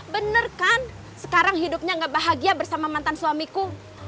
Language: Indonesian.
bener kan sekarang hidupnya gak bahagia bersama mantan suamiku